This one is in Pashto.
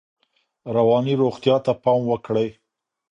رواني روغتیا ته پام وکړئ.